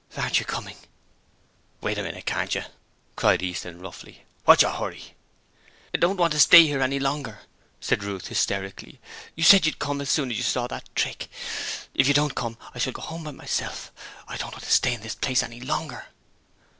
'Aren't you coming?' 'Wait a minute, can't you?' cried Easton roughly. 'What's your hurry?' 'I don't want to stay here any longer,' said Ruth, hysterically. 'You said you'd come as soon as you saw that trick. If you don't come, I shall go home by myself. I don't want to stay in this place any longer.'